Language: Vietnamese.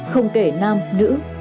không kể nam nữ